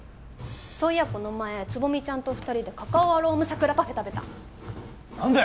そういやこの前蕾未ちゃんと二人でカカオアローム桜パフェ食べた何で！？